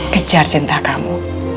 kejar cinta kamu